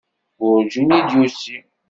Werǧin i d-yusi.